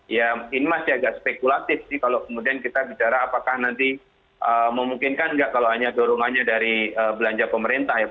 ya ini masih agak spekulatif sih kalau kemudian kita bicara apakah nanti memungkinkan nggak kalau hanya dorongannya dari belanja pemerintah ya